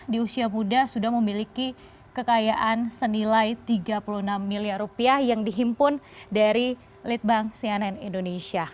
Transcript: di usia muda sudah memiliki kekayaan senilai tiga puluh enam miliar rupiah yang dihimpun dari litbang cnn indonesia